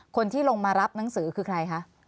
คนที่ลงมารับหนังสือคือใครคะ